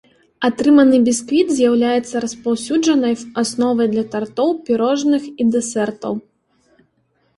Атрыманы бісквіт з'яўляецца распаўсюджанай асновай для тартоў, пірожных і дэсертаў.